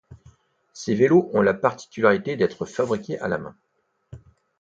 Ces vélos ont la particularité d'être fabriqués à la main.